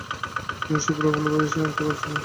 তিনি সেগুলি অল্প আয়াসেই আয়ত্ত করেছিলেন।